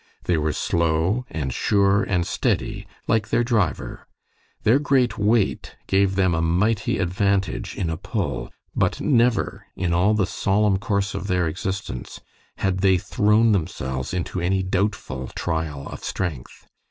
They were slow and sure and steady, like their driver. Their great weight gave them a mighty advantage in a pull, but never, in all the solemn course of their existence, had they thrown themselves into any doubtful trial of strength.